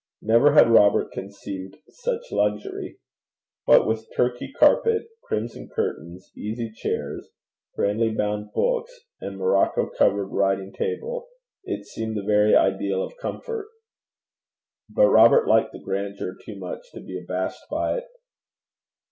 Never had Robert conceived such luxury. What with Turkey carpet, crimson curtains, easy chairs, grandly bound books and morocco covered writing table, it seemed the very ideal of comfort. But Robert liked the grandeur too much to be abashed by it.